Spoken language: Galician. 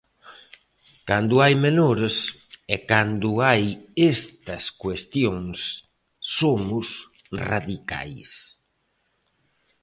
Cando hai menores e cando hai estas cuestións somos radicais.